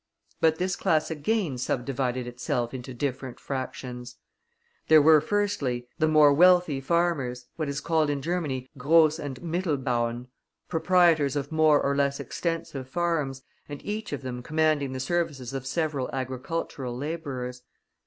But this class again sub divided itself into different fractions. There were, firstly, the more wealthy farmers, what is called in Germany Gross and Mittel Bauern, proprietors of more or less extensive farms, and each of them commanding the services of several agricultural laborers.